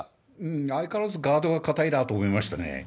相変わらずガードが固いなと思いましたね。